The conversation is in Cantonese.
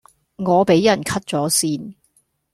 我俾人 cut 左線